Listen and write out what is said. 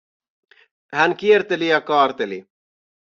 Hän kierteli ja kaarteli.